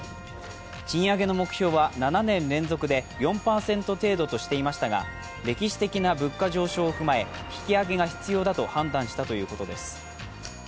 賃上げの目標は、７年連続で４％程度としていましたが歴史的な物価上昇を踏まえ引き上げが必要だと判断したということです。